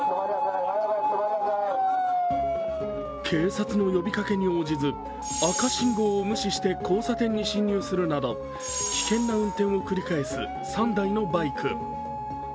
警察の呼びかけに応じず、赤信号を無視して交差点に進入するなど、危険な運転を繰り返す３台のバイク。